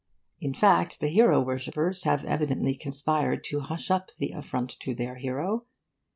In fact, the hero worshippers have evidently conspired to hush up the affront to their hero.